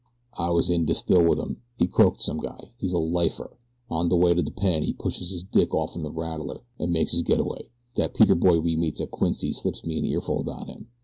"I was in de still wit 'im he croaked some guy. He's a lifer. On de way to de pen he pushes dis dick off'n de rattler an' makes his get away. Dat peter boy we meets at Quincy slips me an earful about him.